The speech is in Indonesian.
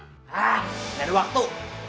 gak ada waktu